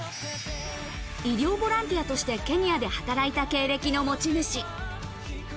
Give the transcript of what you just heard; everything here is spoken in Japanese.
医療ボランティアとして、ケニアで働いた経歴の持ち主。